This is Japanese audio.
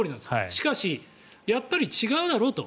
しかし、やっぱり違うだろと。